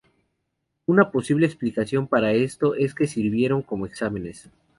Una posible explicación para esto es que sirvieron como exámenes.